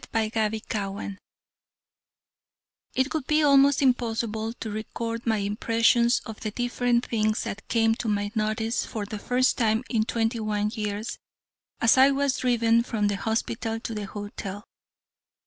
CHAPTER XXVII It would be almost impossible to record my impressions of the different things that came to my notice for the first time in twenty one years, as I was driven from the hospital to the hotel.